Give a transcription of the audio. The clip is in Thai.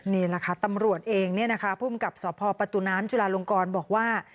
นี่แหละค่ะตำรวจเองเนี่ยนะคะภูมิกับสพประตูน้ำจุลาลงกรบอกว่า